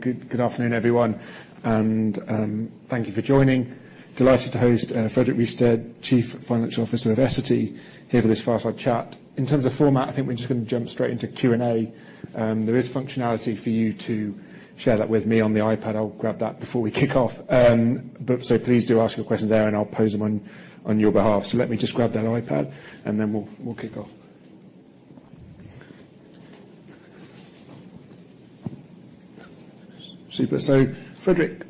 Good afternoon, everyone, thank you for joining. Delighted to host Fredrik Rystedt, Chief Financial Officer of Essity, here for this fireside chat. In terms of format, I think we're just gonna jump straight into Q&A. There is functionality for you to share that with me on the iPad. I'll grab that before we kick off. Please do ask your questions there, and I'll pose them on your behalf. Let me just grab that iPad, and then we'll kick off. Super. Fredrik,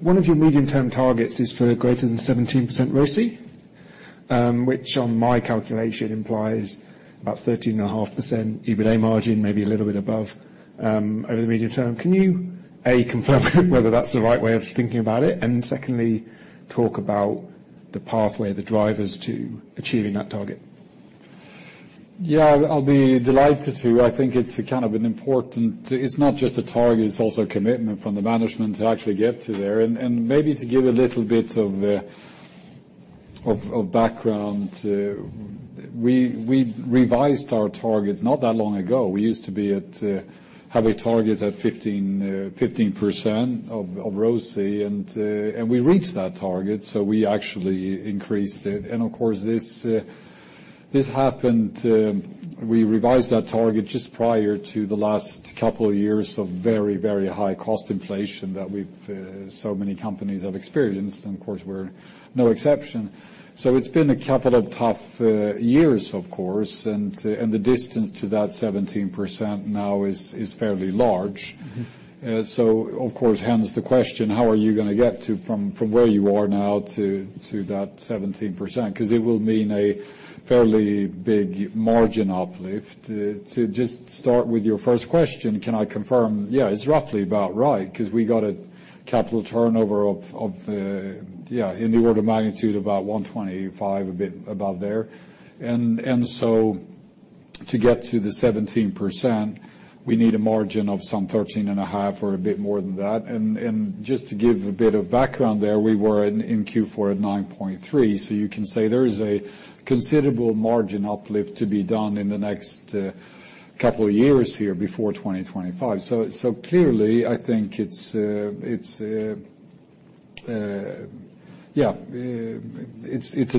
one of your medium-term targets is for greater than 17% ROCE, which on my calculation implies about 13.5% EBITDA margin, maybe a little bit above, over the medium term. Can you, A, confirm whether that's the right way of thinking about it, and secondly talk about the pathway, the drivers to achieving that target? Yeah, I'll be delighted to. I think it's a kind of an important. It's not just a target, it's also a commitment from the management to actually get to there. Maybe to give a little bit of background, we revised our target not that long ago. We used to have a target at 15% of ROCE. We reached that target, so we actually increased it. Of course this happened, we revised that target just prior to the last couple of years of very, very high cost inflation that we've, so many companies have experienced, and of course we're no exception. It's been a couple of tough years, of course, the distance to that 17% now is fairly large. Mm-hmm. Of course, hence the question, how are you gonna get from where you are now to that 17%? Cause it will mean a fairly big margin uplift. To just start with your first question, can I confirm, yeah, it's roughly about right, cause we got a capital turnover of, in the order of magnitude about 125, a bit above there. To get to the 17%, we need a margin of some 13.5% or a bit more than that. Just to give a bit of background there, we were in Q4 at 9.3%, so you can say there is a considerable margin uplift to be done in the next couple of years here before 2025. Clearly, I think it's a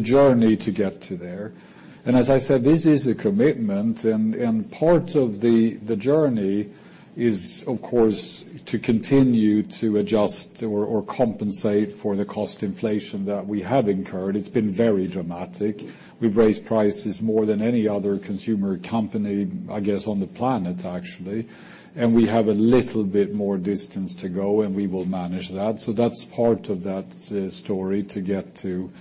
journey to get to there. As I said, this is a commitment and part of the journey is, of course, to continue to adjust or compensate for the cost inflation that we have incurred. It's been very dramatic. We've raised prices more than any other consumer company, I guess, on the planet, actually. We have a little bit more distance to go, and we will manage that. That's part of that story to get to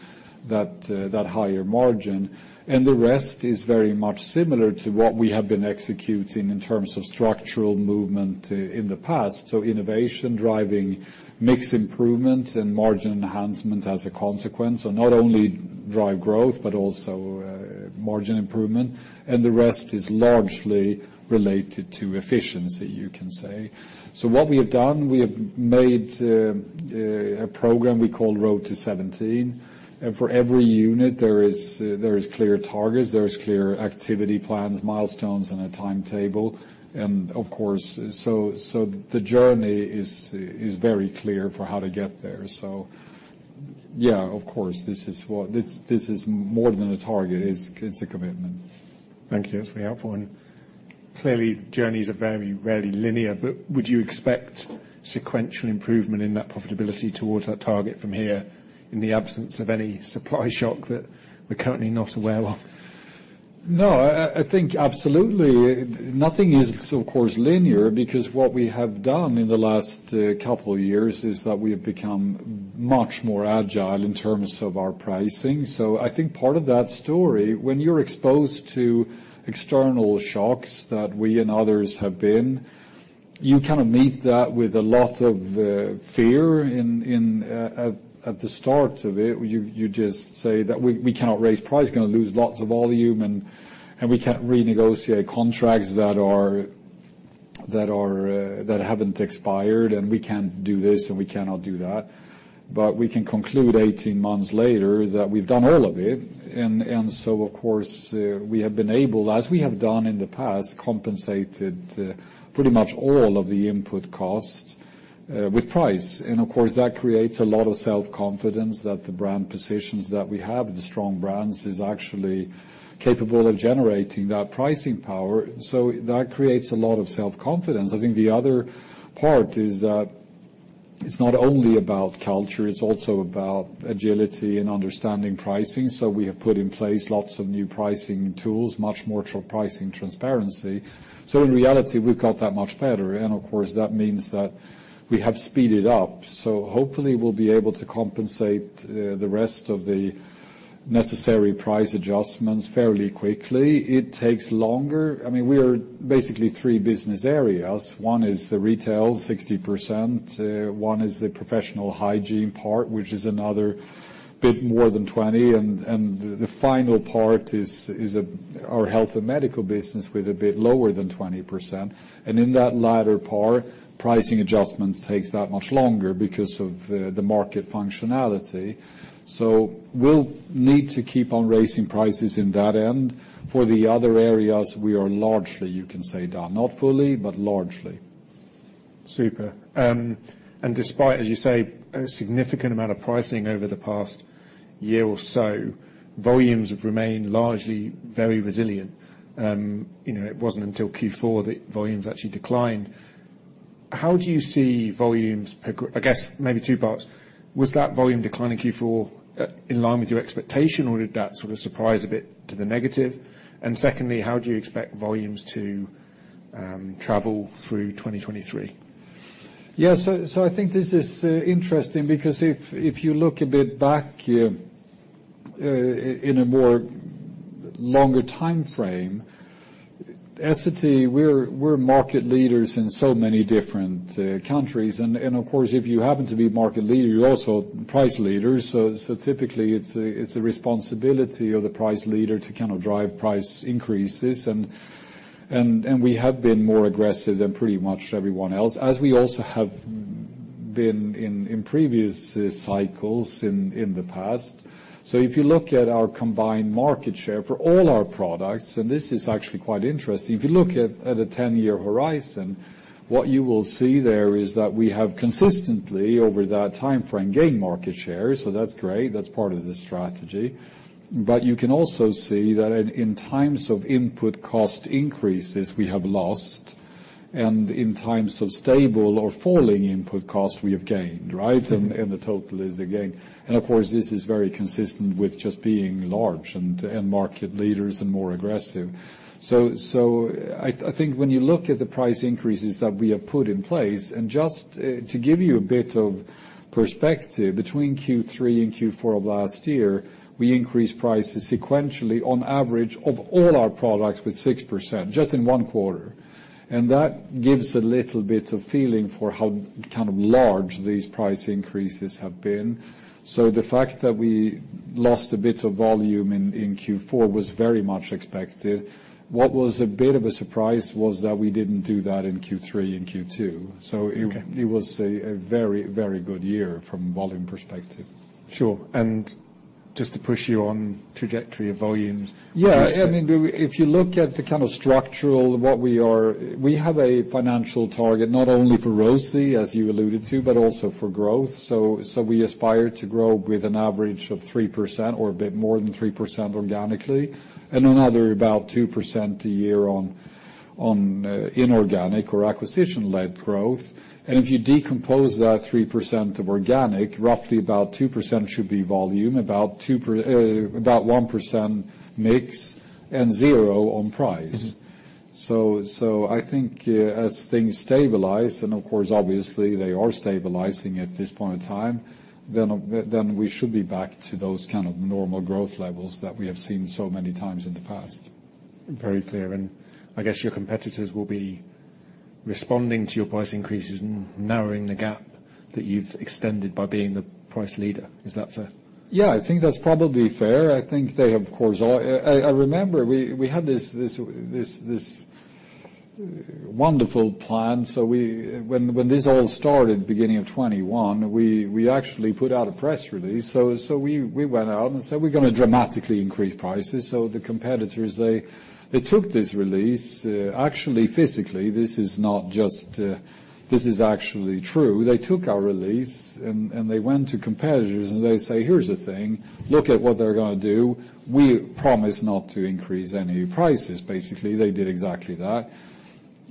that higher margin. The rest is very much similar to what we have been executing in terms of structural movement in the past. Innovation driving mix improvement and margin enhancement as a consequence. Not only drive growth, but also margin improvement. The rest is largely related to efficiency, you can say. What we have done, we have made a program we call Road to Seventeen. For every unit, there is clear targets, there is clear activity plans, milestones, and a timetable. Of course, so the journey is very clear for how to get there. Yeah, of course, this is more than a target. It's a commitment. Thank you. That's very helpful. Clearly, journeys are very rarely linear, but would you expect sequential improvement in that profitability towards that target from here in the absence of any supply shock that we're currently not aware of? No, I think absolutely. Nothing is of course linear, because what we have done in the last couple of years is that we have become much more agile in terms of our pricing. I think part of that story, when you're exposed to external shocks that we and others have been, you kind of meet that with a lot of fear. At the start of it, you just say that we cannot raise price, gonna lose lots of volume. We can't renegotiate contracts that are that haven't expired. We can't do this, and we cannot do that. We can conclude 18 months later that we've done all of it, of course, we have been able, as we have done in the past, compensated pretty much all of the input costs with price. Of course, that creates a lot of self-confidence that the brand positions that we have, the strong brands, is actually capable of generating that pricing power. That creates a lot of self-confidence. I think the other part is that it's not only about culture, it's also about agility and understanding pricing. We have put in place lots of new pricing tools, much more pricing transparency. In reality, we've got that much better. Of course, that means that we have speeded up. Hopefully we'll be able to compensate the rest of the necessary price adjustments fairly quickly. It takes longer. I mean, we are basically three business areas. One is the retail, 60%. One is the professional hygiene part, which is another bit more than 20. The final part is our health and medical business with a bit lower than 20%. In that latter part, pricing adjustments takes that much longer because of the market functionality. We'll need to keep on raising prices in that end. For the other areas, we are largely, you can say, done. Not fully, but largely. Super. Despite, as you say, a significant amount of pricing over the past year or so, volumes have remained largely very resilient. You know, it wasn't until Q4 that volumes actually declined. How do you see volumes, I guess maybe two parts. Was that volume decline in Q4, in line with your expectation or did that sort of surprise a bit to the negative? Secondly, how do you expect volumes to travel through 2023? I think this is interesting because if you look a bit back, in a more longer timeframe, Essity, we're market leaders in so many different countries. Of course, if you happen to be market leader, you're also price leaders. Typically it's the responsibility of the price leader to kind of drive price increases. We have been more aggressive than pretty much everyone else, as we also have been in previous cycles in the past. If you look at our combined market share for all our products, this is actually quite interesting. If you look at a 10-year horizon, what you will see there is that we have consistently, over that timeframe, gained market share. That's great. That's part of the strategy. You can also see that in times of input cost increases we have lost, and in times of stable or falling input costs, we have gained, right? Mm-hmm. The total is a gain. Of course, this is very consistent with just being large and market leaders and more aggressive. I think when you look at the price increases that we have put in place, and just to give you a bit of perspective, between Q3 and Q4 of last year, we increased prices sequentially on average of all our products with 6%, just in 1 quarter. That gives a little bit of feeling for how kind of large these price increases have been. The fact that we lost a bit of volume in Q4 was very much expected. What was a bit of a surprise was that we didn't do that in Q3 and Q2. Okay. It was a very, very good year from volume perspective. Sure. Just to push you on trajectory of volumes- Yeah. Do you expect- I mean, if you look at the kind of structural, what we are. We have a financial target not only for ROCE, as you alluded to, but also for growth. We aspire to grow with an average of 3% or a bit more than 3% organically, and another about 2% a year on inorganic or acquisition-led growth. If you decompose that 3% of organic, roughly about 2% should be volume, about 1% mix, and 0% on price. Mm-hmm. I think, as things stabilize, and of course, obviously they are stabilizing at this point in time, then we should be back to those kind of normal growth levels that we have seen so many times in the past. Very clear. I guess your competitors will be responding to your price increases and narrowing the gap that you've extended by being the price leader. Is that fair? Yeah, I think that's probably fair. I think they of course all... I remember we had this wonderful plan. When this all started, beginning of 2021, we actually put out a press release. We went out and said we're gonna dramatically increase prices. The competitors, they took this release. Actually, physically, this is not just... This is actually true. They took our release and they went to competitors and they say, "Here's the thing. Look at what they're gonna do. We promise not to increase any prices." Basically, they did exactly that.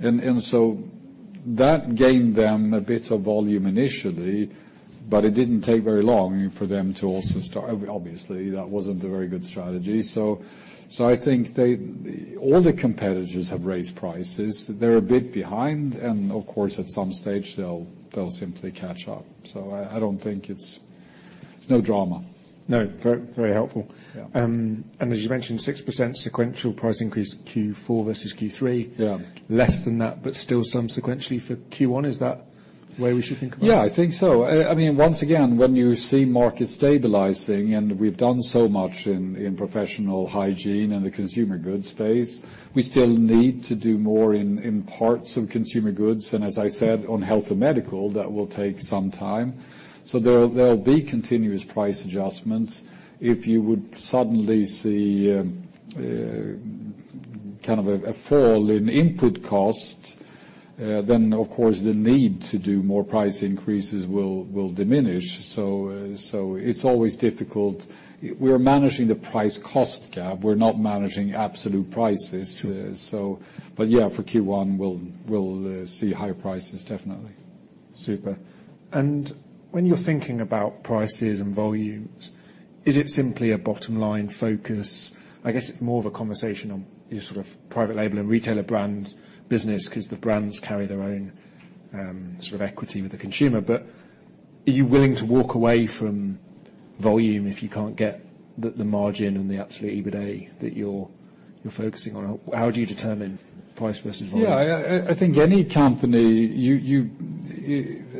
That gained them a bit of volume initially, but it didn't take very long for them to also start... Obviously, that wasn't a very good strategy. I think they... All the competitors have raised prices. They're a bit behind, and of course, at some stage they'll simply catch up. I don't think it's... It's no drama. No, very, very helpful. Yeah. As you mentioned, 6% sequential price increase Q4 versus Q3. Yeah. Less than that, but still some sequentially for Q1. Is that where we should think about it? Yeah, I think so. I mean, once again, when you see markets stabilizing, and we've done so much in professional hygiene and the consumer goods space, we still need to do more in parts of consumer goods. As I said, on health and medical, that will take some time. There, there'll be continuous price adjustments. If you would suddenly see kind of a fall in input cost, then of course the need to do more price increases will diminish. It's always difficult. We're managing the price cost gap, we're not managing absolute prices. Sure. Yeah, for Q1, we'll see higher prices, definitely. Super. When you're thinking about prices and volumes, is it simply a bottom line focus? I guess it's more of a conversation on your sort of private label and retailer brands business, 'cause the brands carry their own, sort of equity with the consumer. Are you willing to walk away from volume if you can't get the margin and the absolute EBITDA that you're focusing on? How do you determine price versus volume? Yeah. I think any company, you.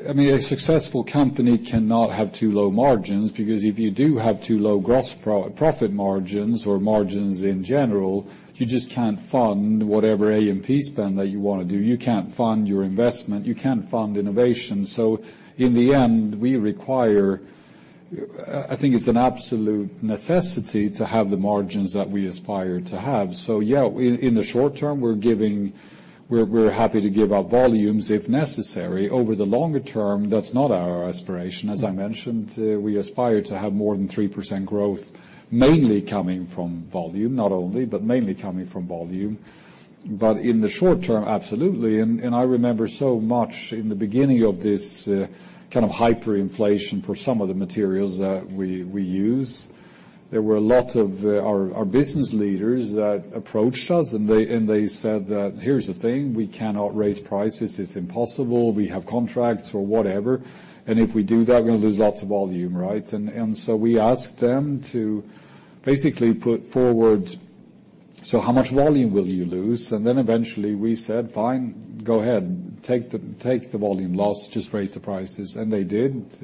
I mean, a successful company cannot have too low margins, because if you do have too low gross profit margins or margins in general, you just can't fund whatever A&P spend that you wanna do. You can't fund your investment. You can't fund innovation. In the end, we require, I think, it's an absolute necessity to have the margins that we aspire to have. Yeah, in the short term, we're happy to give up volumes if necessary. Over the longer term, that's not our aspiration. As I mentioned, we aspire to have more than 3% growth, mainly coming from volume. Not only, but mainly coming from volume. In the short term, absolutely. I remember so much in the beginning of this kind of hyperinflation for some of the materials that we use, there were a lot of our business leaders that approached us, and they said that, "Here's the thing, we cannot raise prices. It's impossible. We have contracts or whatever, and if we do that, we're gonna lose lots of volume, right?" We asked them to basically put forward, "So how much volume will you lose?" Eventually we said, "Fine, go ahead. Take the volume loss, just raise the prices." They did.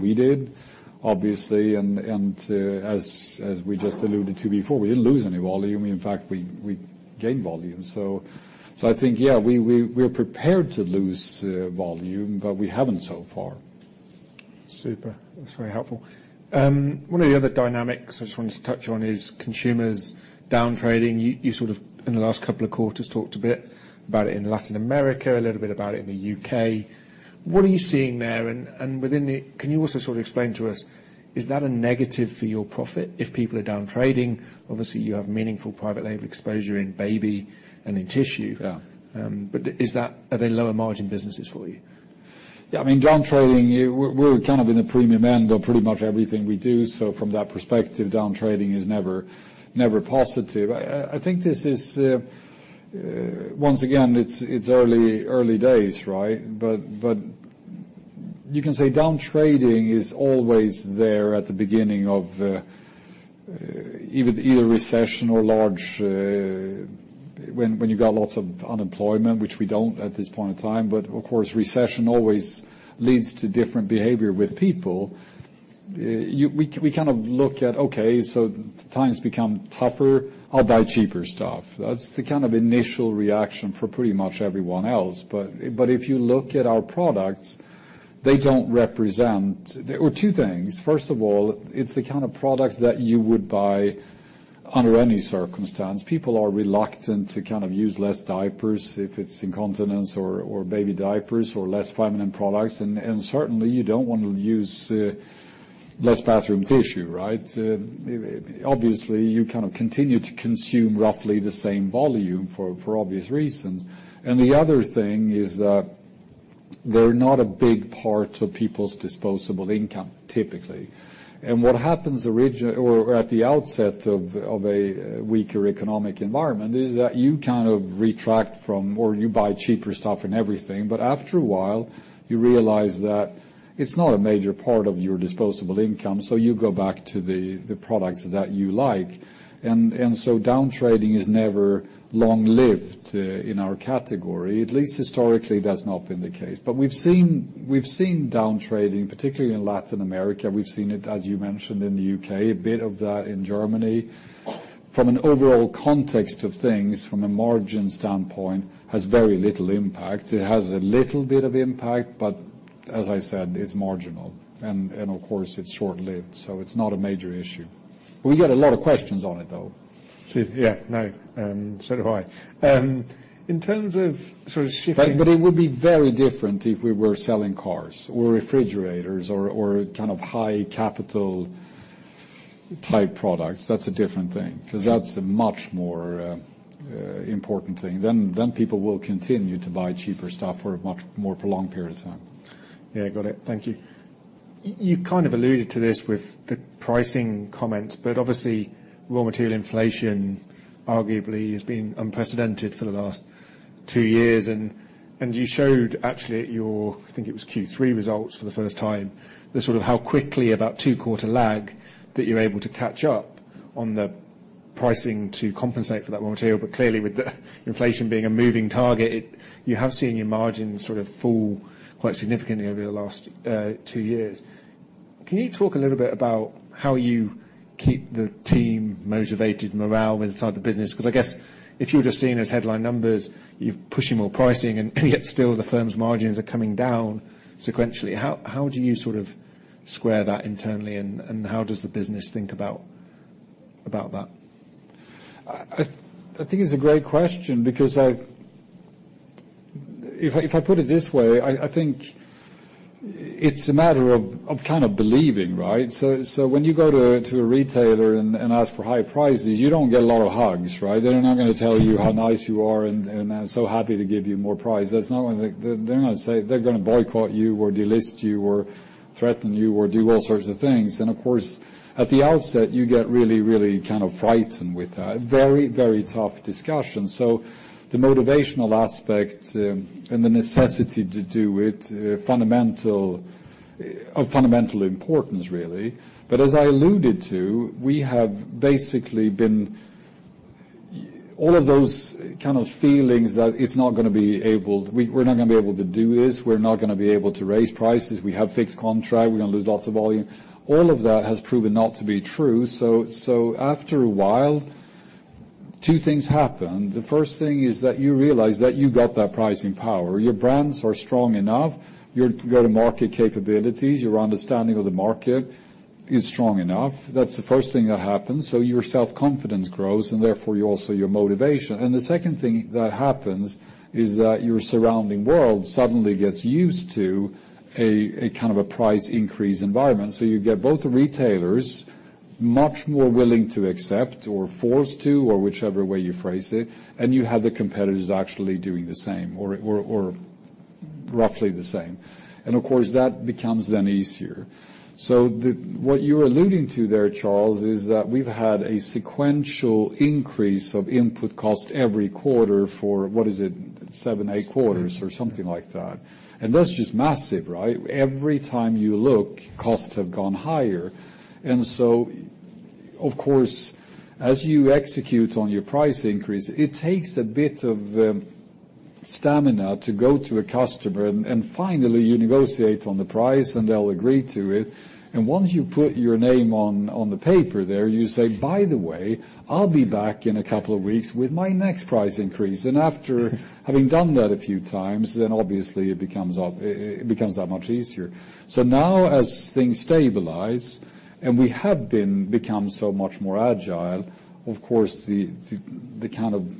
We did, obviously. As we just alluded to before, we didn't lose any volume. In fact, we gained volume. I think yeah, we're prepared to lose volume, but we haven't so far. Super. That's very helpful. One of the other dynamics I just wanted to touch on is consumers downtrading. You sort of in the last couple of quarters talked a bit about it in Latin America, a little bit about it in the UK. What are you seeing there? Can you also sort of explain to us, is that a negative for your profit if people are downtrading? Obviously, you have meaningful private label exposure in baby and in tissue. Yeah. Are they lower margin businesses for you? Yeah, I mean, downtrading, We're kind of in the premium end of pretty much everything we do, so from that perspective, downtrading is never positive. I think this is once again, it's early days, right? But you can say downtrading is always there at the beginning of either recession or large when you've got lots of unemployment, which we don't at this point in time. Of course, recession always leads to different behavior with people. We kind of look at, okay, so times become tougher, I'll buy cheaper stuff. That's the kind of initial reaction for pretty much everyone else. But if you look at our products, they don't represent. There are two things. First of all, it's the kind of product that you would buy under any circumstance. People are reluctant to kind of use less diapers if it's incontinence or baby diapers or less feminine products, and certainly, you don't want to use less bathroom tissue, right? Obviously, you kind of continue to consume roughly the same volume for obvious reasons. The other thing is that they're not a big part of people's disposable income, typically. What happens or at the outset of a weaker economic environment is that you kind of retract from or you buy cheaper stuff and everything, but after a while you realize that it's not a major part of your disposable income, so you go back to the products that you like. Downtrading is never long-lived in our category. At least historically, that's not been the case. We've seen downtrading, particularly in Latin America. We've seen it, as you mentioned, in the U.K., a bit of that in Germany. From an overall context of things, from a margin standpoint, has very little impact. It has a little bit of impact, but as I said, it's marginal. Of course, it's short-lived, so it's not a major issue. We get a lot of questions on it, though. Yeah. No, so do I. In terms of sort of. But it would be very different if we were selling cars or refrigerators or kind of high capital-type products. That's a different thing. Yeah. 'Cause that's a much more important thing. People will continue to buy cheaper stuff for a much more prolonged period of time. Yeah, got it. Thank you. You kind of alluded to this with the pricing comment, but obviously, raw material inflation arguably has been unprecedented for the last 2 years. You showed actually at your, I think, it was Q3 results for the first time, the sort of how quickly about 2-quarter lag that you're able to catch up on the pricing to compensate for that raw material. Clearly, with the inflation being a moving target, you have seen your margins sort of fall quite significantly over the last 2 years. Can you talk a little bit about how you keep the team motivated, morale inside the business? Because I guess if you're just seen as headline numbers, you're pushing more pricing, and yet still the firm's margins are coming down sequentially. How do you sort of square that internally, and how does the business think about that? I think it's a great question because if I put it this way, I think it's a matter of kind of believing, right? When you go to a retailer and ask for higher prices, you don't get a lot of hugs, right? They're not gonna tell you how nice you are and I'm so happy to give you more price. That's not what they. They're gonna boycott you or delist you or threaten you or do all sorts of things. Of course, at the outset, you get really kind of frightened with that. Very tough discussion. The motivational aspect and the necessity to do it, of fundamental importance really. As I alluded to, we have basically been. All of those kind of feelings that we're not gonna be able to do this, we're not gonna be able to raise prices, we have fixed contract, we're gonna lose lots of volume, all of that has proven not to be true. After a while. Two things happen. The first thing is that you realize that you've got that pricing power. Your brands are strong enough, your go-to-market capabilities, your understanding of the market is strong enough. That's the first thing that happens, so your self-confidence grows, and therefore also your motivation. The second thing that happens is that your surrounding world suddenly gets used to a kind of a price increase environment, so you get both the retailers much more willing to accept or forced to or whichever way you phrase it, and you have the competitors actually doing the same or roughly the same. Of course, that becomes then easier. What you're alluding to there, Charles, is that we've had a sequential increase of input cost every quarter for, what is it? 7, 8 quarters or something like that. That's just massive, right? Every time you look, costs have gone higher. Of course, as you execute on your price increase, it takes a bit of stamina to go to a customer and finally you negotiate on the price, and they'll agree to it. Once you put your name on the paper there, you say, "By the way, I'll be back in a couple of weeks with my next price increase." After having done that a few times, then obviously it becomes that much easier. Now as things stabilize, we have become so much more agile, of course, the kind of,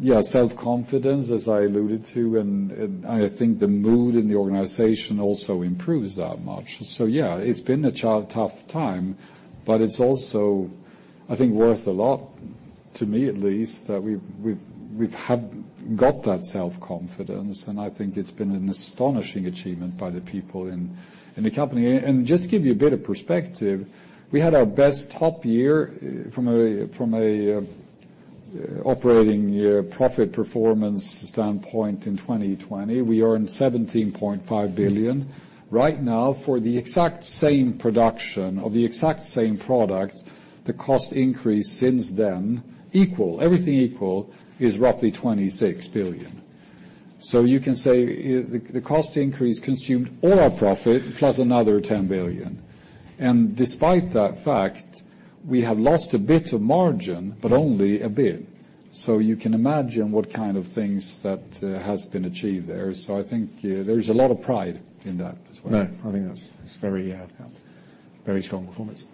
yeah, self-confidence, as I alluded to, and I think the mood in the organization also improves that much. Yeah, it's been a tough time, but it's also, I think, worth a lot to me at least, that we've got that self-confidence, and I think it's been an astonishing achievement by the people in the company. Just to give you a bit of perspective, we had our best top year from a, from a operating year profit performance standpoint in 2020. We earned 17.5 billion. Right now, for the exact same production of the exact same product, the cost increase since then, equal, everything equal, is roughly 26 billion. You can say the cost increase consumed all our profit plus another 10 billion. Despite that fact, we have lost a bit of margin, but only a bit. You can imagine what kind of things that has been achieved there. I think there is a lot of pride in that as well. I think that's very, very strong performance.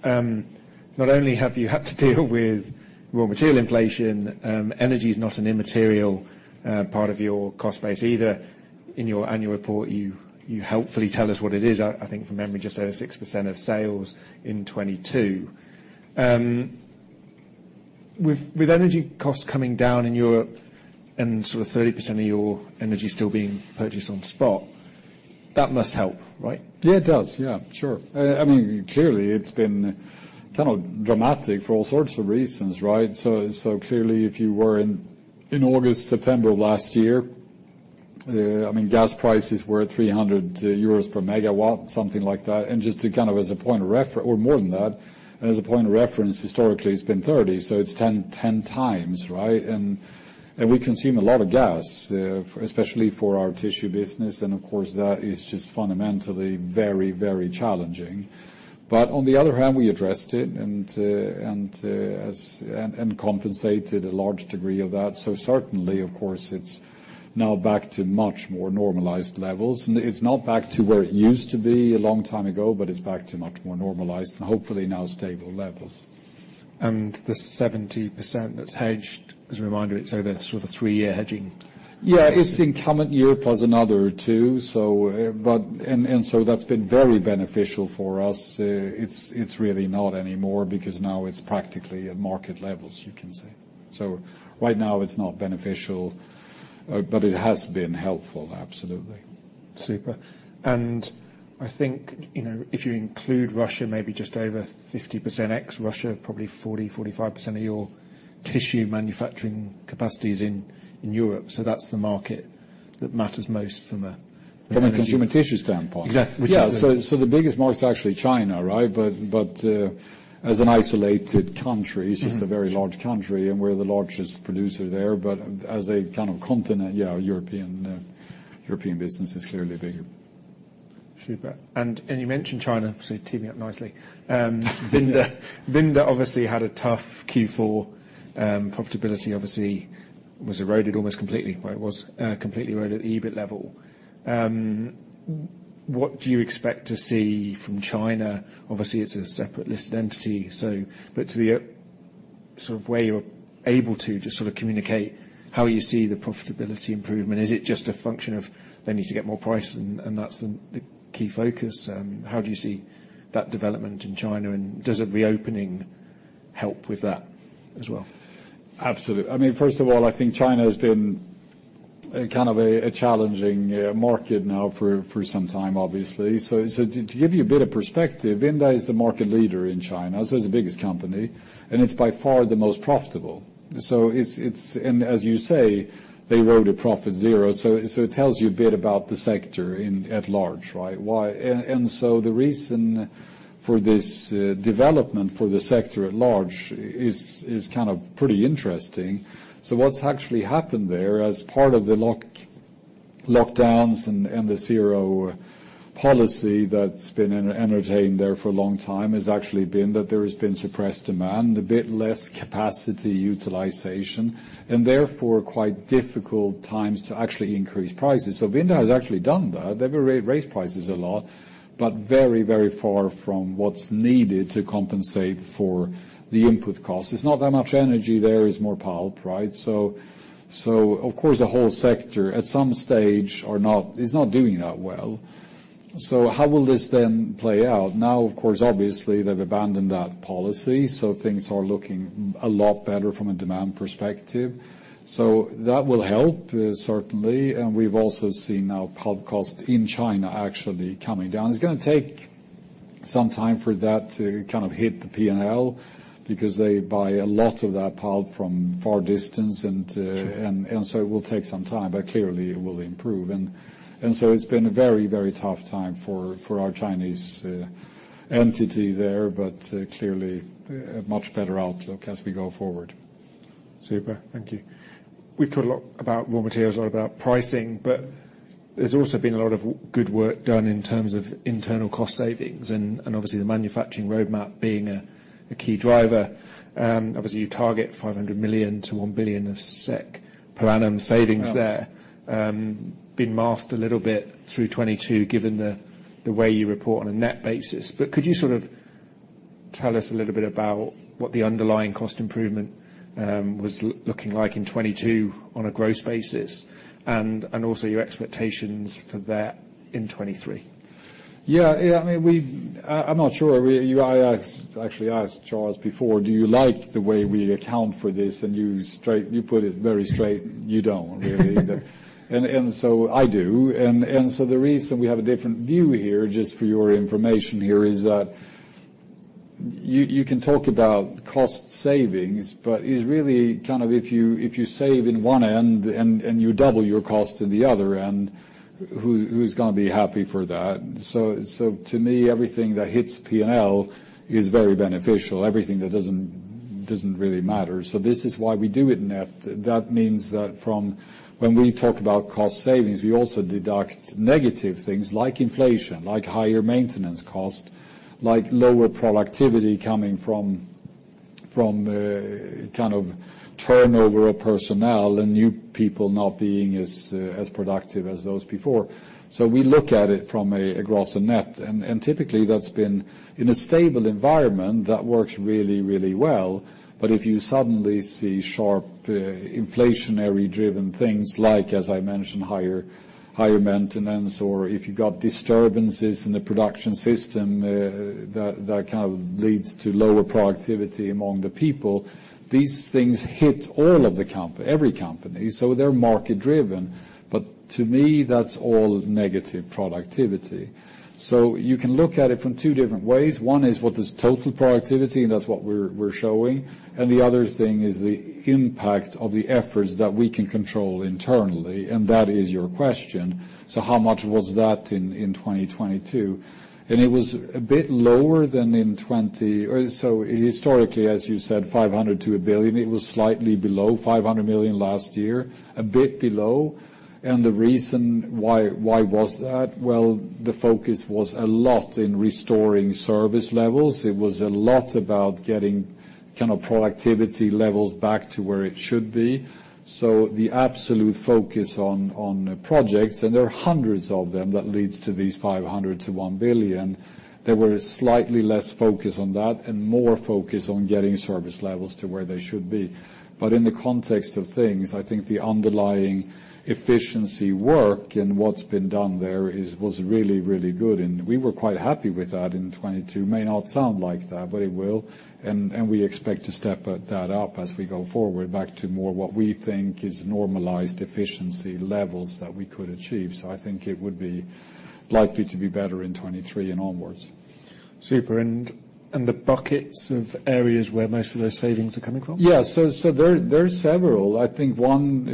Not only have you had to deal with raw material inflation, energy is not an immaterial part of your cost base either. In your annual report, you helpfully tell us what it is. I think from memory, just over 6% of sales in 2022. With energy costs coming down in Europe and sort of 30% of your energy still being purchased on spot, that must help, right? Yeah, it does. Yeah. Sure. I mean, clearly, it's been kind of dramatic for all sorts of reasons, right? Clearly, if you were in August, September of last year, I mean, gas prices were 300 euros per megawatt, something like that. Just to kind of as a point of reference, or more than that, and as a point of reference, historically, it's been 30, so it's 10 times, right? We consume a lot of gas, especially for our tissue business. Of course, that is just fundamentally very, very challenging. On the other hand, we addressed it and compensated a large degree of that. Certainly, of course, it's now back to much more normalized levels. It's not back to where it used to be a long time ago, but it's back to much more normalized and hopefully now stable levels. The 70% that's hedged as a reminder, it's over the sort of 3-year hedging. Yeah. It's incumbent year plus another two. That's been very beneficial for us. It's really not anymore because now it's practically at market levels, you can say. Right now, it's not beneficial, but it has been helpful, absolutely. Super. I think, you know, if you include Russia, maybe just over 50% ex Russia, probably 40%-45% of your tissue manufacturing capacity is in Europe. That's the market that matters most from a. From a consumer tissue standpoint. Exactly. Which is. Yeah. The biggest market is actually China, right? As an isolated country. Mm-hmm it's just a very large country, and we're the largest producer there. As a kind of continent, yeah, European business is clearly bigger. Super. You mentioned China, so teaming up nicely. Vinda. Vinda obviously had a tough Q4, profitability obviously was eroded almost completely. Well, it was completely eroded at EBIT level. What do you expect to see from China? Obviously, it's a separate listed entity, so but to the sort of where you're able to just sort of communicate how you see the profitability improvement, is it just a function of they need to get more price and that's the key focus? How do you see that development in China, and does a reopening help with that as well? Absolutely. I mean, first of all, I think China has been kind of a challenging market now for some time, obviously. To give you a bit of perspective, Vinda is the market leader in China, so it's the biggest company, and it's by far the most profitable. It's as you say, they rode a profit zero. It tells you a bit about the sector in at large, right? The reason for this development for the sector at large is kind of pretty interesting. What's actually happened there as part of the lockdowns and the zero policy that's been entertained there for a long time has actually been that there has been suppressed demand, a bit less capacity utilization, and therefore quite difficult times to actually increase prices. Vinda has actually done that. They've raised prices a lot, but very, very far from what's needed to compensate for the input cost. It's not that much energy there, it's more pulp, right? Of course, the whole sector at some stage is not doing that well. How will this then play out? Now, of course, obviously, they've abandoned that policy, so things are looking a lot better from a demand perspective. That will help, certainly, and we've also seen now pulp cost in China actually coming down. It's gonna take some time for that to kind of hit the P&L because they buy a lot of that pulp from far distance. Sure. It will take some time, but clearly it will improve. It's been a very tough time for our Chinese entity there, but clearly a much better outlook as we go forward. Super. Thank you. We've talked a lot about raw materials, a lot about pricing, There's also been a lot of good work done in terms of internal cost savings and obviously the manufacturing roadmap being a key driver. Obviously, you target 500 million - 1 billion per annum savings there. Yeah. Been masked a little bit through 2022 given the way you report on a net basis. Could you sort of tell us a little bit about what the underlying cost improvement was looking like in 2022 on a gross basis and also your expectations for that in 2023? Yeah. Yeah. I mean, I'm not sure. I actually asked Charles before, "Do you like the way we account for this?" You put it very straight, you don't really. I do. The reason we have a different view here, just for your information here, is that you can talk about cost savings, but it's really kind of if you save in one end and you double your cost in the other end, who's gonna be happy for that? To me, everything that hits P&L is very beneficial. Everything that doesn't really matter. This is why we do it net. That means that from when we talk about cost savings, we also deduct negative things like inflation, like higher maintenance cost, like lower productivity coming from kind of turnover of personnel and new people not being as productive as those before. We look at it from a gross and net. Typically that's been in a stable environment that works really, really well. If you suddenly see sharp inflationary-driven things like, as I mentioned, higher maintenance, or if you've got disturbances in the production system, that kind of leads to lower productivity among the people, these things hit all of every company. They're market driven. To me, that's all negative productivity. You can look at it from two different ways. One is what is total productivity, and that's what we're showing. The other thing is the impact of the efforts that we can control internally, and that is your question. How much was that in 2022? It was a bit lower than in 2020. Historically, as you said, 500 million - 1 billion, it was slightly below 500 million last year, a bit below. The reason why was that? Well, the focus was a lot in restoring service levels. It was a lot about getting kind of productivity levels back to where it should be. The absolute focus on projects, and there are hundreds of them that leads to these 500 million - 1 billion, there were slightly less focus on that and more focus on getting service levels to where they should be. In the context of things, I think the underlying efficiency work and what's been done there was really, really good. We were quite happy with that in 2022. May not sound like that, but it will. We expect to step that up as we go forward back to more what we think is normalized efficiency levels that we could achieve. I think it would be likely to be better in 2023 and onwards. Super. The buckets of areas where most of those savings are coming from? There are several. I think one,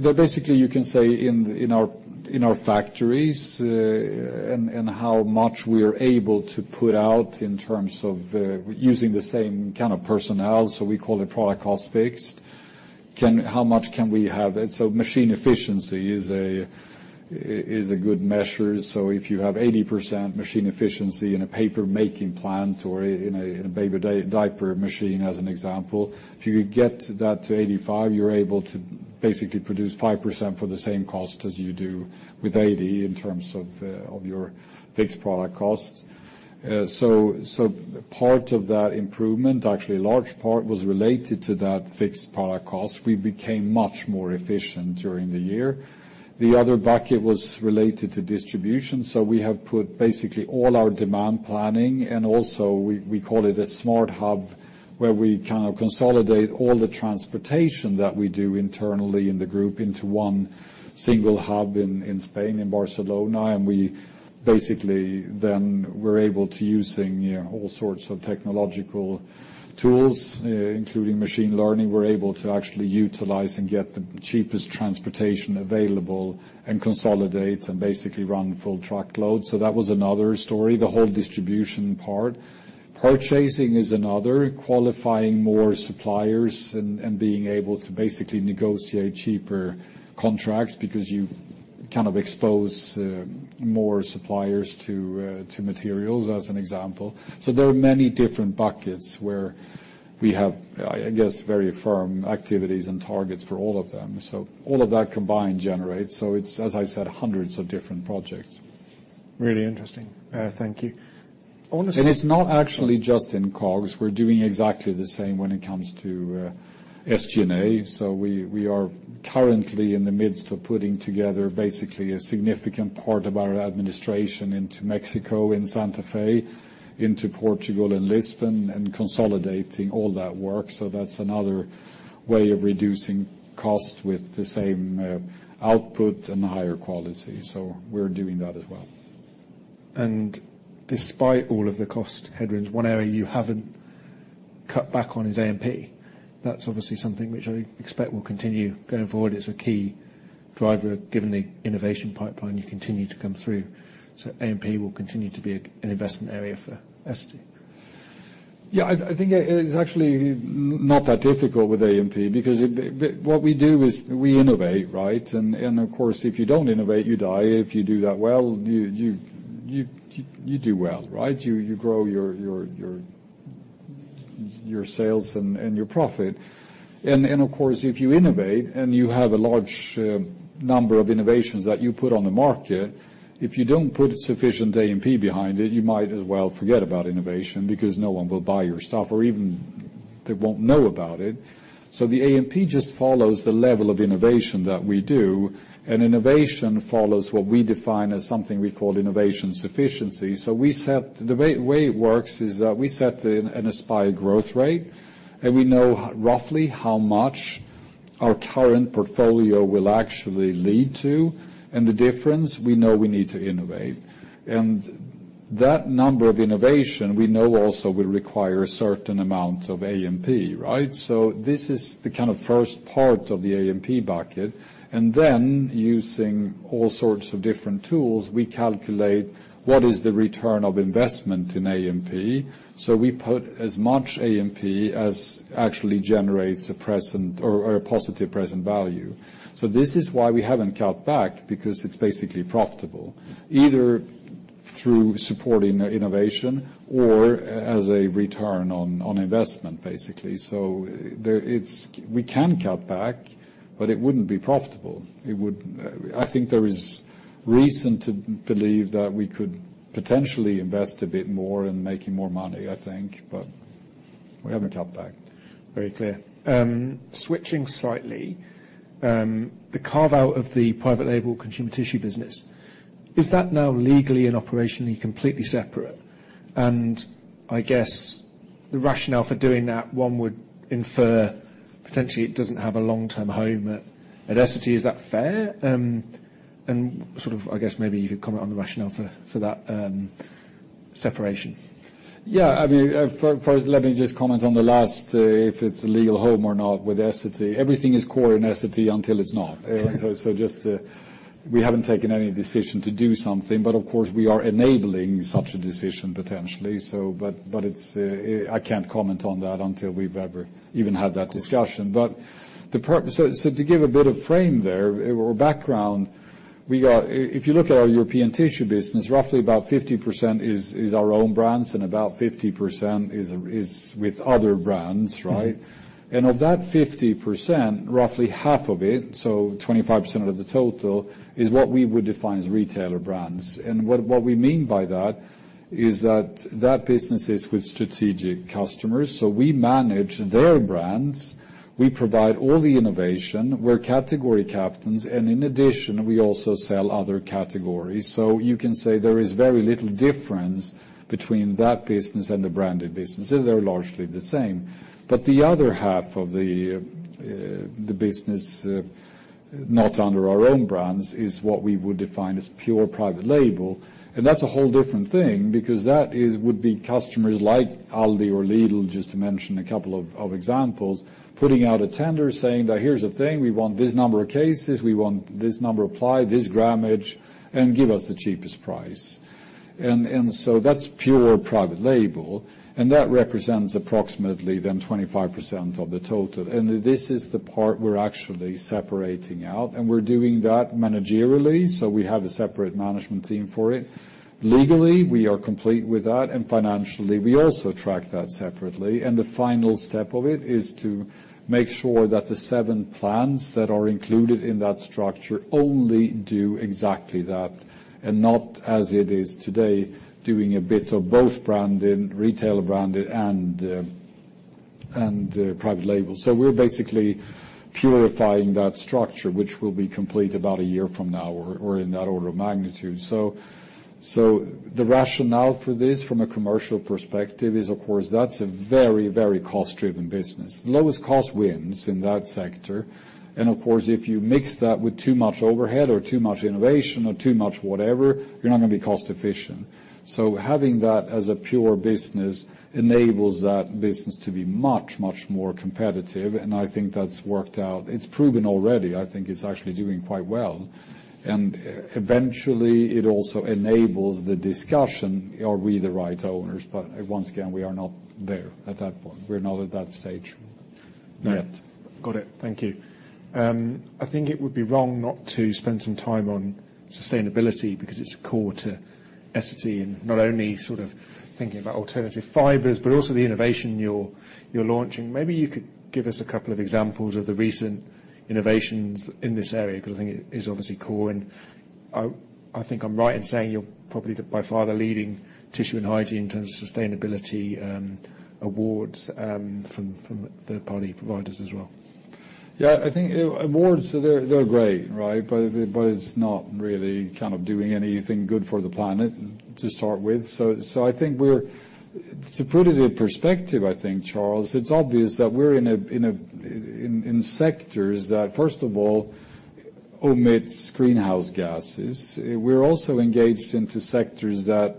they're basically you can say in our factories, and how much we're able to put out in terms of using the same kind of personnel, so we call it product cost fixed. How much can we have it? Machine efficiency is a good measure. If you have 80% machine efficiency in a paper making plant or in a baby diaper machine as an example, if you get that to 85%, you're able to basically produce 5% for the same cost as you do with 80% in terms of your fixed product costs. Part of that improvement, actually a large part, was related to that fixed product cost. We became much more efficient during the year. The other bucket was related to distribution. We have put basically all our demand planning, and also we call it a SmartHub, where we kind of consolidate all the transportation that we do internally in the group into one single hub in Spain, in Barcelona. We basically then were able to using, you know, all sorts of technological tools, including machine learning, we're able to actually utilize and get the cheapest transportation available and consolidate and basically run full truckload. That was another story, the whole distribution part. Purchasing is another. Qualifying more suppliers and being able to basically negotiate cheaper contracts because Kind of expose more suppliers to materials as an example. There are many different buckets where we have, I guess, very firm activities and targets for all of them. All of that combined generates, so it's, as I said, hundreds of different projects. Really interesting. Thank you. It's not actually just in COGS. We're doing exactly the same when it comes to SG&A. We are currently in the midst of putting together basically a significant part of our administration into Mexico in Santa Fe, into Portugal and Lisbon, and consolidating all that work. That's another way of reducing cost with the same output and higher quality. We're doing that as well. Despite all of the cost headwinds, one area you haven't cut back on is A&P. That's obviously something which I expect will continue going forward. It's a key driver given the innovation pipeline you continue to come through. A&P will continue to be an investment area for Essity. Yeah. I think it's actually not that difficult with A&P because what we do is we innovate, right? Of course, if you don't innovate, you die. If you do that well, you do well, right? You grow your sales and your profit. Of course, if you innovate, and you have a large number of innovations that you put on the market, if you don't put sufficient A&P behind it, you might as well forget about innovation because no one will buy your stuff or even they won't know about it. The A&P just follows the level of innovation that we do, and innovation follows what we define as something we call innovation sufficiency. We set... The way it works is that we set an aspired growth rate, we know roughly how much our current portfolio will actually lead to. The difference, we know we need to innovate. That number of innovation we know also will require a certain amount of A&P, right? This is the kind of first part of the A&P bucket. Using all sorts of different tools, we calculate what is the return of investment in A&P. We put as much A&P as actually generates a present or a positive present value. This is why we haven't cut back because it's basically profitable, either through supporting innovation or as a return on investment, basically. We can cut back, it wouldn't be profitable. It would... I think there is reason to believe that we could potentially invest a bit more in making more money, I think, but we haven't cut back. Very clear. Switching slightly, the carve-out of the private label consumer tissue business, is that now legally and operationally completely separate? I guess the rationale for doing that, one would infer potentially it doesn't have a long-term home at Essity. Is that fair? Sort of, I guess, maybe you could comment on the rationale for that separation. I mean, for... Let me just comment on the last, if it's a legal home or not with Essity. Everything is core in Essity until it's not. Just, we haven't taken any decision to do something, but of course, we are enabling such a decision potentially. But it's... I can't comment on that until we've ever even had that discussion. Of course. To give a bit of frame there or background, if you look at our European tissue business, roughly about 50% is our own brands and about 50% is with other brands, right? Of that 50%, roughly half of it, so 25% of the total, is what we would define as retailer brands. What we mean by that is that business is with strategic customers, we manage their brands. We provide all the innovation. We're category captains, and in addition, we also sell other categories. You can say there is very little difference between that business and the branded business. They're largely the same. The other half of the business, not under our own brands, is what we would define as pure private label, and that's a whole different thing because that would be customers like Aldi or Lidl, just to mention a couple of examples, putting out a tender saying that, "Here's the thing. We want this number of cases. We want this number of ply, this grammage, and give us the cheapest price." So that's pure private label, and that represents approximately then 25% of the total. This is the part we're actually separating out, and we're doing that managerially, so we have a separate management team for it. Legally, we are complete with that, and financially, we also track that separately. The final step of it is to make sure that the seven plants that are included in that structure only do exactly that and not as it is today, doing a bit of both branded, retailer branded, and private label. We're basically purifying that structure, which will be complete about a year from now or in that order of magnitude. The rationale for this from a commercial perspective is, of course, that's a very, very cost-driven business. Lowest cost wins in that sector. Of course, if you mix that with too much overhead or too much innovation or too much whatever, you're not gonna be cost-efficient. Having that as a pure business enables that business to be much, much more competitive, and I think that's worked out. It's proven already. I think it's actually doing quite well. Eventually, it also enables the discussion, are we the right owners? Once again, we are not there at that point. We're not at that stage. Yeah. Got it. Thank you. I think it would be wrong not to spend some time on sustainability because it's core to Essity and not only sort of thinking about alternative fibers but also the innovation you're launching. Maybe you could give us a couple of examples of the recent innovations in this area because I think it is obviously core and I think I'm right in saying you're probably by far the leading tissue and hygiene in terms of sustainability awards from third-party providers as well. Yeah, I think, awards they're great, right? It's not really kind of doing anything good for the planet to start with. To put it in perspective, I think, Charles, it's obvious that we're in sectors that, first of all, emits greenhouse gases. We're also engaged into sectors that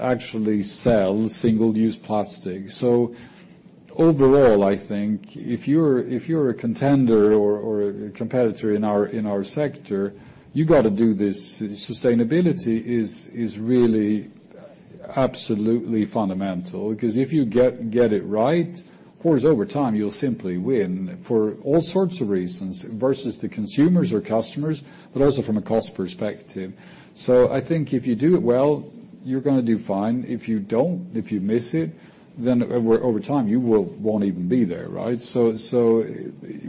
actually sell single-use plastic. Overall, I think if you're a contender or a competitor in our sector you gotta do this. Sustainability is really absolutely fundamental because if you get it right, of course, over time you'll simply win for all sorts of reasons versus the consumers or customers but also from a cost perspective. I think if you do it well, you're gonna do fine. If you don't, if you miss it then over time you won't even be there, right?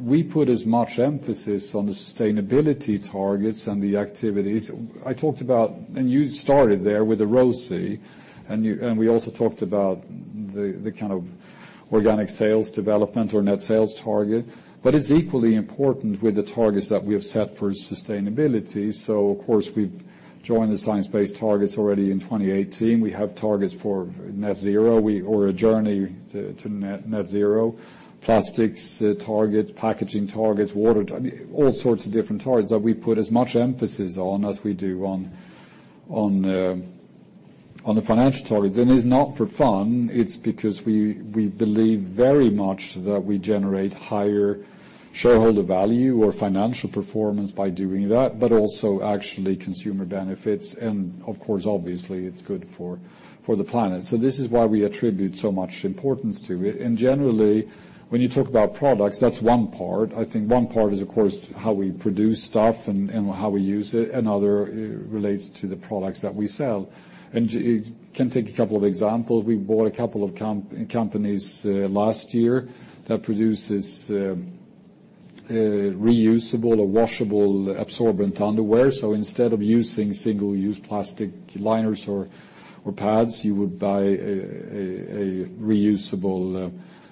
We put as much emphasis on the sustainability targets and the activities. I talked about, and you started there with the ROCE, and we also talked about the kind of organic sales development or net sales target but it's equally important with the targets that we have set for sustainability. Of course we've joined the science-based targets already in 2018. We have targets for net zero. Or a journey to net zero. Plastics target, packaging targets, water... I mean all sorts of different targets that we put as much emphasis on as we do on the financial targets. It's not for fun it's because we believe very much that we generate higher shareholder value or financial performance by doing that but also actually consumer benefits and of course obviously it's good for the planet. This is why we attribute so much importance to it. Generally when you talk about products that's one part. I think one part is of course how we produce stuff and how we use it and other relates to the products that we sell. You can take a couple of examples. We bought a couple of companies last year that produces reusable or washable absorbent underwear. Instead of using single-use plastic liners or pads you would buy a reusable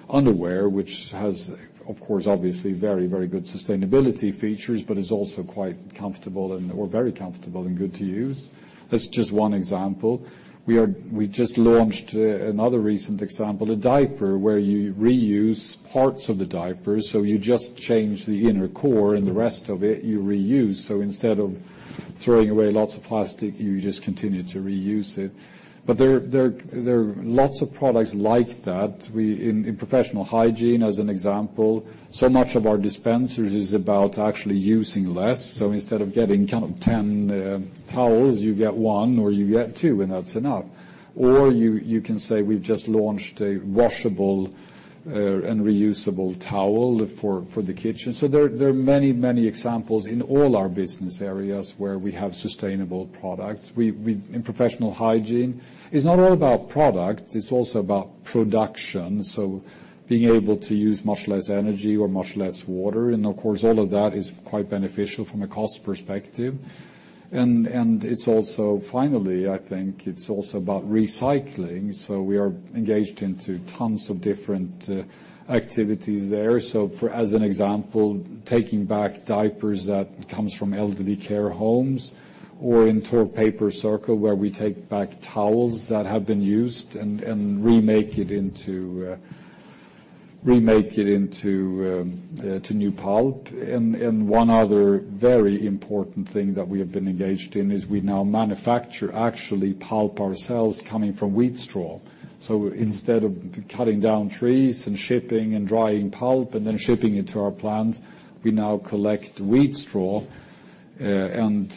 underwear which has of course obviously very, very good sustainability features but is also quite comfortable or very comfortable and good to use. That's just one example. We just launched another recent example, a diaper where you reuse parts of the diaper so you just change the inner core and the rest of it you reuse. Instead of throwing away lots of plastic you just continue to reuse it. There are lots of products like that. In professional hygiene as an example so much of our dispensers is about actually using less so instead of getting kind of 10 towels you get 1 or you get 2 and that's enough. You can say we've just launched a washable and reusable towel for the kitchen. There are many, many examples in all our business areas where we have sustainable products. We In professional hygiene it's not all about product it's also about production so being able to use much less energy or much less water and of course all of that is quite beneficial from a cost perspective and it's also finally I think it's also about recycling. We are engaged into tons of different activities there. For as an example, taking back diapers that comes from elderly care homes or in Tork PaperCircle where we take back towels that have been used and remake it into new pulp and one other very important thing that we have been engaged in is we now manufacture actually pulp ourselves coming from wheat straw. Instead of cutting down trees and shipping and drying pulp and then shipping it to our plants we now collect wheat straw and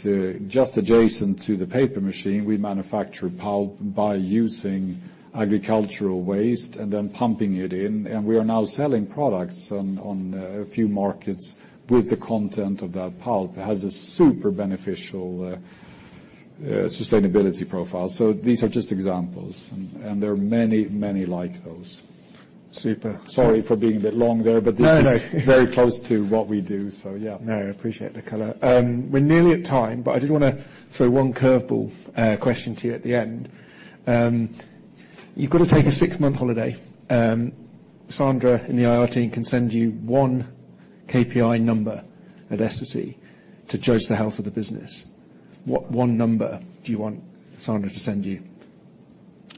just adjacent to the paper machine we manufacture pulp by using agricultural waste and then pumping it in. We are now selling products on a few markets with the content of that pulp. It has a super beneficial sustainability profile. These are just examples and there are many, many like those. Super. Sorry for being a bit long there but. No, no. Very close to what we do so yeah. No, I appreciate the color. We're nearly at time but I did wanna throw one curveball question to you at the end. You've got to take a six-month holiday, Sandra and the IR team can send you one KPI number at Essity to judge the health of the business. What one number do you want Sandra to send you?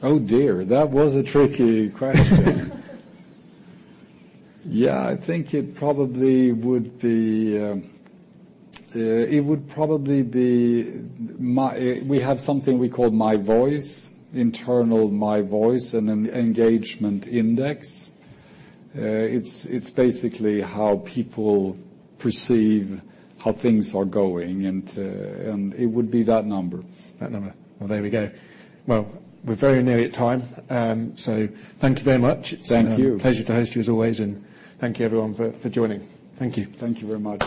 Oh dear, that was a tricky question. Yeah. I think it probably would be. We have something we call My Voice, internal My Voice and an engagement index. It's basically how people perceive how things are going and it would be that number. That number. There we go. We're very nearly at time, thank you very much. Thank you. It's a pleasure to host you as always and thank you everyone for joining. Thank you. Thank you very much.